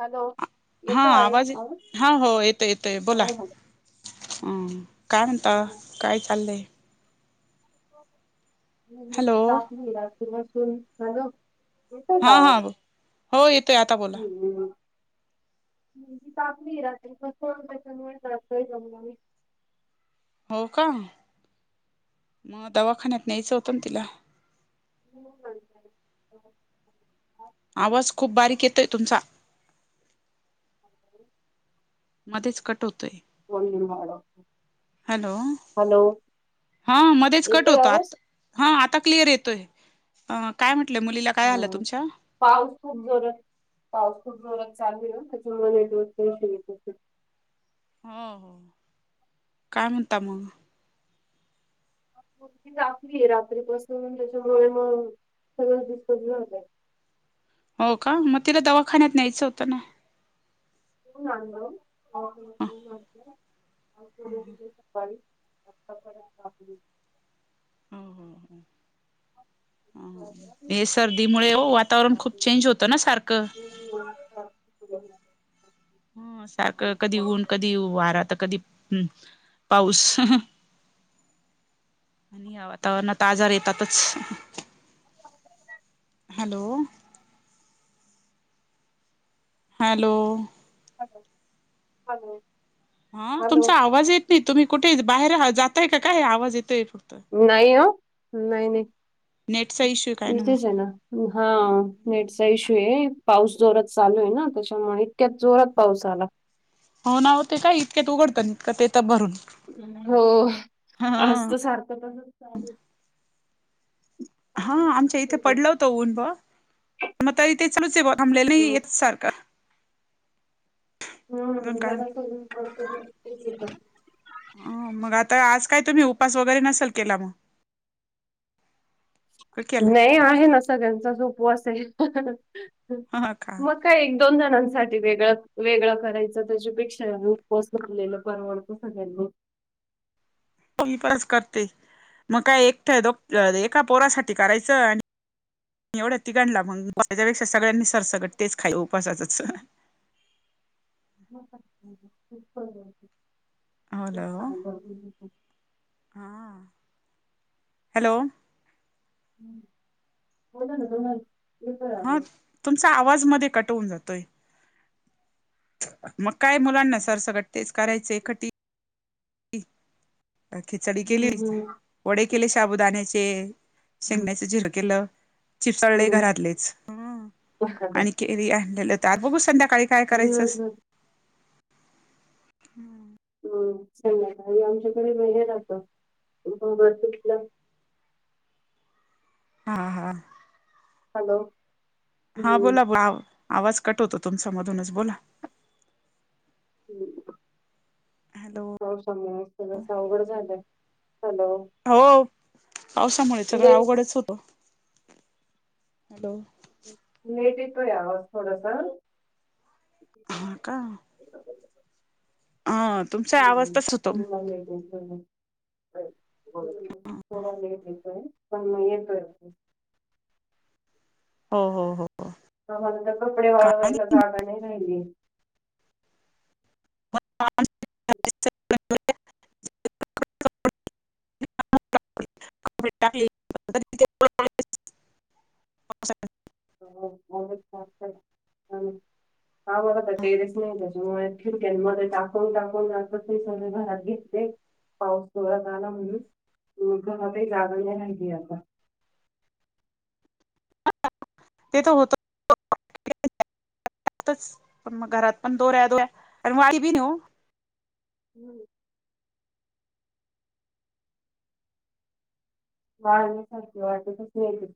Hello हा येतोय आहे आवाज येतेय? हा हो येतंय येते बोला. हो हो. हम्म काय म्हणता? हम्म. काय चाललंय.? मी हॅलो कापली [unintelligible] तुला सुन झालो. येताय का हा हा आवाज? हो येतोय आता बोला हम्म हम्म. ताप नाही रात्री. [unintelligible] हो का? मंग दवाखान्यात न्यायचं होतं ना तिला. तु पण. आवाज खूप बारीक येतोय तुमचा. हॅलो. मधेच कट होतय. फोन निघायला. हॅलो! हा मध्येच कट येतोय होतो आवाज? आता हा आता क्लिअर येतोय, काय म्हंटलंय मुलीला? काय हा. झालं तुमच्या पाऊस खूप जोरात, पाऊस खूप जोरात त्याच्यामुळे [unintelligible] हम्म काय म्हणता मग? रात्री रात्री पासून त्याच्यामुळे, मग सगळंच दिसत झाय. हो का? मग तिला दवाखान्या न्यायचं होतं ना. [unintelligible] गावित आताच आलेत गावी. हो हो हो. हम्म, हे सर्दीमुळे हो वातावरण खूप चेंज होतं ना सारखं. ह. [unintelligible] हम्म सारखं कधी ऊन, कधी वारा, तर कधी पाऊस. या वातावरणात आजार येतातच. हॅलो. [inaudible] हॅलो. Hello hello. हा तुमचा आवाज येत नाही, तुम्ही कुठे बाहेर जातय की काय आवाज येतोय. नाही हो, नाही नाही नेटचा इश्यू काय मग इथेच आहे ना. हा नेटचा इशू आहे, पाऊस जोरात चालू आहे ना, त्याच्यामुळे इतक्या जोरात पाऊस आला. हो ना होते काय? इतक्यात उघडतं का देतात भरून. हो ह आज तर सारखं [unintelligible] चालू हे. हा आमच्या इथे होतं. पडला होतो ऊन बग. मग ताई तेच चालूच ये थबले नाही एकसारखं. अजून हम्म काम जरा सोडून काम [unintelligible] अ मग आता आज काय तुम्ही उपास वगैरे नसेल केला मग, केला नाही आहे ना, सगळ्यांचा च उपवास आहे ह का मग. काय एक दोन जणांसाठी वेगळं वेगळं करायचं, त्याच्यापेक्षा उपवास धरलेला परवडतो कणी. कसं चाले बग. उपवास करते, मग काय एकट दो एका पोरासाठी करायचं आणि एवढा तिघांला मग उपवासच, त्याच्यापेक्षा सगळ्यांनी सरसगट तेच खायच उपासाचच.. [unintelligible] हॅलो, हां हॅलो. बोलाना बोलाना. हा तुमचा आवाज मध्ये कट होवून जातोय. मग काय मुलांना सर सगट तेच करायचं. खिचडी केली, हं, हं, वडे केले शाबुदाण्याचे. हं. शेंगण्याच झिर केलं, चिप्स तळले घरातलेच, आणि- केळी आणलेलं तर बघू संध्याकाळी काय करायचं. दिवसभर हा संध्याकाळी आमच्या कडे हे राहतं भगर पिठलं. हा हा हॅलो! हा हं, बोला बोला आवाज कट होतो तुमचा मधूनच बोला. [inaudible] हॅलो पावसामुळे सगळंच अवघड झालंय. [unintelligible] हो पावसामुळे सगळं लेट अवघडच होतो. हॅलो! नीट येतोय आवाज थोडसा. हा का [inaudible] आ.. [inaudible] [inaudible] हो हो हो हो आम्हाला तर कपडे काय वाळवायला जागा नाही राहिली. [inaudible] [inaudible] पावसानं. [inaudible] खिडक्यांमध्ये टाकून टाकून ते रात्री सगळे घरात घेते. पाऊस जोरात आला म्हणून, घरातही जागा नाही राहिली आता. ते तर होत [unintelligible] पण मग घरात पण दोऱ्या दोऱ्या, आणि वाळ बी नाय ओ. हम्म वाळले सारखे वाटतं नाही ती.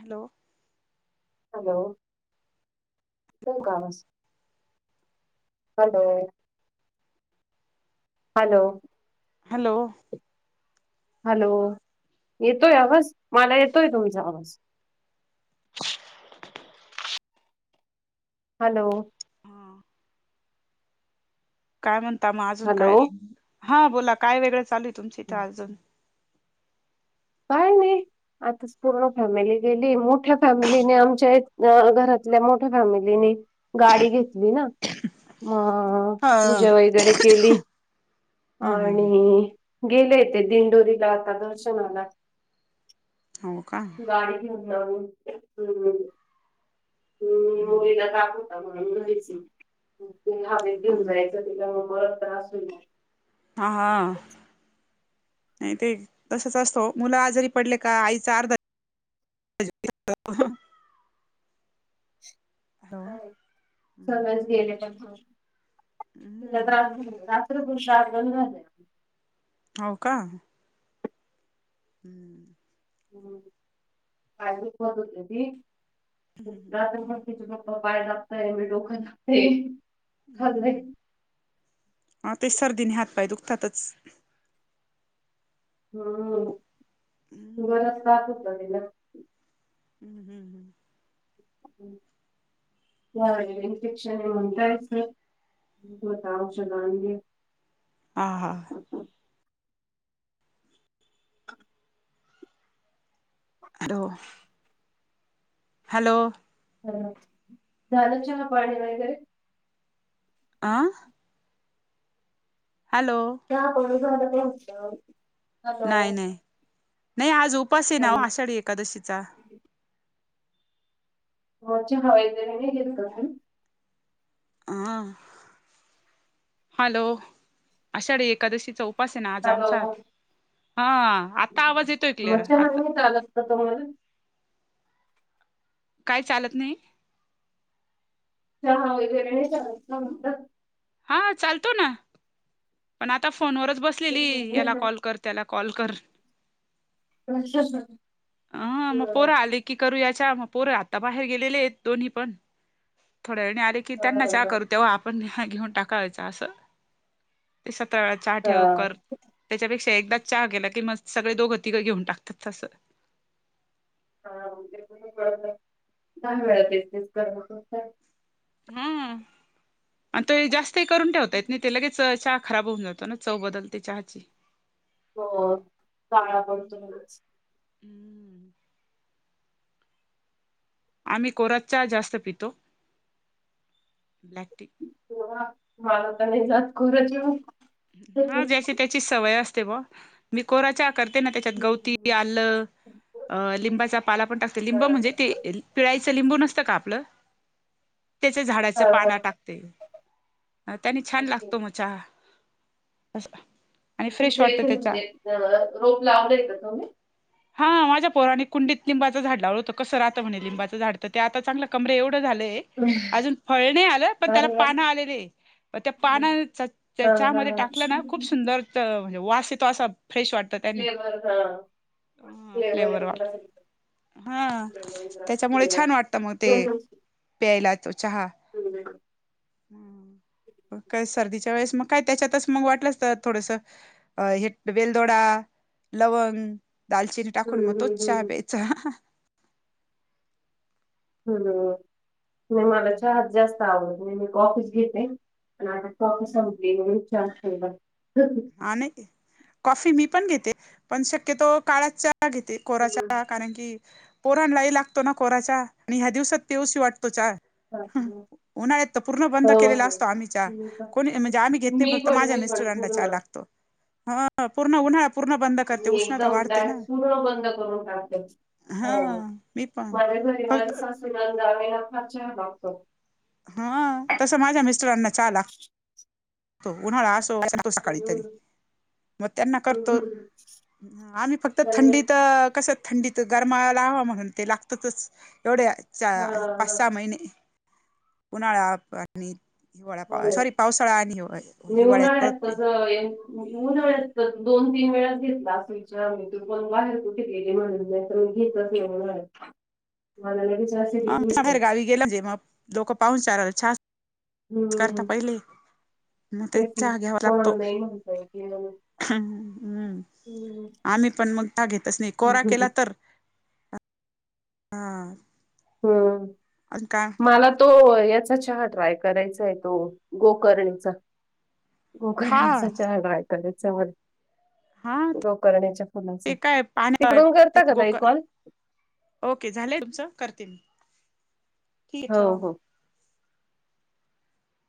हॅलो! हॅलो! ठीऊ का? हॅलो! हॅलो! हॅलो! हॅलो येतोय आवाज, मला येतोय तुमचा आवाज. हॅलो! हा काय म्हणता मग अजून हॅलो काय नवीन, हा बोला काय वेगळं चालू आहे तुमच इथं अजून? काय नाही, आत्ताच पूर्ण फॅमिली गेली, मोठ्या फॅमिलीने आमच्या घरातल्या मोठ्या फॅमिलीने गाडी घेतली ना. मग हा पूजा वगैरे केली. हम्म हम् आणि गेलेय तेे दिंडोरीला आता दर्शनाला. हो, का? गाडी घेऊन जाऊन हम्म [unintelligible] [unintelligible] पुन्हा मी घेऊन हा जायचं तिला मला त्रास होईल हा, हा नाही ते तसच असत वो, मुल आजारी पडले का, आईचा अर्धा [unintelligible] अर्धा हो, सर्वच गेले पण हो तीला हम्म [unintelligible] रात्रभर जागरण झालं हो, का? हम्म हंम, काय झोपवत होते ती, उठला त मग तीज पप्पा पाय दाबतय, मी डोकं दाबते हम्म. हा ते सर्दीने हातपाय दुखतातच हम्म, हम्म जोरात ताप घेतला तिला हम्म -हम्म -हम् हम् [unintelligible] इन्फेक्शन हे म्हणलं त मी स्वतः औषध आणली. हा, हा हॅलो हॅलो हॅलो, झालं चहापाणी वगैरे? आं हॅलो चहापाणी झालं का म्हटलं? हॅलो नाही -नाही, नाही आज उपास हाय ना वो हॅलो आषाढी एकादशीचा वरच्या हायेतेन नाही घेतलं मी हा हॅलो, आषाढी एकादशीचा उप पास आहे ना आज आमचा हा आता आवाज येतोय क्लिअर मरच्या मधी आता नाही चालत का कवल काय, चालत नाही? [unintelligible] वेगवेगळी नाही चालत ना म्हंटलं हा चालतो ना, पण आता फोनवरच बसलेली, याला म्हणतात कॉल कर त्याला कॉल कर ह मग पोरं [unintelligible] आले की करूया चहा, म पोरं आता बाहेर गेलेले आहेत दोन्हीपण, थोड्या वेळाने आले कि त्यांना चहा करू तेंव्हा आपण घेऊन टाकायचा असं ते सतरा वेळा चहा ठेव कर त्याच्यापेक्षा एकदाच चहा गेला, की म सगळे दोघं, तिघं घेऊन टाकतात तसं हा उद्या तुम्ही बरं नाही, दहा वेळा तेच तेच कर म बसत हंम अन तोही जास्तही करून ठेवता येत नाही ते लगेच चहा खराब होऊन जातो ना, चव बदलते चहाची. हो काळा हम्म पडतो लगेच हम्म आम्ही कोराच चहा जास्त पितो टी कोरा, मला तर नाही जात, कोरा चहा हा, ज्याची त्याची सवय असते बुआ, मी कोरा चहा करती ना त्याच्यात गवती, हम्म. आलं, लिंबाचा पाला पण टाकते लिंब म्हणजे हा. ते ते पिळायचं लिंबू नसतं का आपलं. त्यांच्या झाडाची पान टाकते, त्याने छान लागतो चहा. आणि फ्रेश तुमच्या इथे वाटत त्यानं. म्हणजे अ रोप लावले का तुम्ही? हा माझ्या पोरांनी कुंडीत लावलं होतं, कसं राहतं म्हणे लिंबाचे झाड त्यात आता चांगलं कमरे एवढं झालंय, अजुन फळ नाही आल पण तेला अरे वा पान आलेली हाय. म त्या पानांचा त्या हा हा चहामध्ये हा टाकलं ना खूप सुंदर तर म्हणजे वास येतो असं फ्रेश वाटतं. त्याने फ्लेवर हा ह वाट फ्लेवर, हा फ्लेवर त्यांच्यामुळे फ्लेवर छान वाटतं मग ते प्यायला तो चहा. हम्म ह मग काय सर्दीच्या वेळेस मग काय त्यांच्यातच मग वाटलंच तर थोडंसं, अ हे वेलदोडा लवंग दालचिनी टाकून मग हम्म तोच चहा हम्म प्यायचा. हम्म नाही मला चहात जास्त, मी काॅफीच घेते, पण आता कॉफी संपली म्हणून चहा केला. हा नाय कॉफी मी पण घेते, पण शक्यता काळा चहा घेते. कोरा चहा कारण की पोरांनाही लागतो कोरा चहा, आणि या दिवसात पिऊशी पण वाटतो चहा. हा ह [inaudible] उन्हाळ्यात तर पूर्ण बंद केलेला असतो आम्ही चहा, मी पण कोणी म्हणजे आम्ही घेत नाही मी फक्त पण माझ्या मी पण मिस्टरांना चहा‌ पूर्ण लागतो. हा पूर्ण उन्हाळ्यात, मी एकदम उन्हाळ्यात पूर्ण बंद करून टाकते. ह हा मी पण माझ्या फक्त घरीवारी सासूनंदा आम्ही नकारच्या लागतो [inaudible] हा तसं माझ्या मिस्टरांना चहा लागतो. उन्हाळा असो सांगतो सकाळी हम्म. तरी मग त्यांना करतो. हम्म. आम्ही फक्त त्यांनी थंडीत कसं थंडी तर गरमायला हववा म्हणून ते लागतातच एवढे च हा पाच हा सहा महिने. उन्हाळा आणि हिवाळा हो पा ना. सॉरी पावसाळा आणि मी हिवाळ्यात उन्हाळ्यात परत, तर एम- उन्हाळ्यात तर दोन तीन वेळाच घेतला असेल चहा बाहेर कुठे गेली म्हणून, ून जास्त [inaudible] आम्हच्या जर गावी गेले जेव्हा लोक पाहूनचाराला चहाच करतात हम्म. पहिले. मग ते तेच ना. चहा घ्यावा कोणाला लागतो. नाही म्हणता येत याला. हं हम्म. आम्ही पण मागतच नाही कोरा हम्म. केला तर हां हम्म अनी काय. मला तो याचा चहा ट्राय करायचा आहे, तो गोकर्णाचा. हा गोकर्णचा चहा ट्राय करायचा मला. हा गोकर्णीच्या फुलाचा, ते काय पाण्या तिकडून ते करता का ताई गोकळ कॉल? ओके झालंय तुमचं, करते मी ठीक हो ठेवा मग. हो